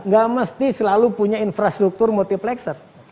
gak mesti selalu punya infrastruktur multiplexer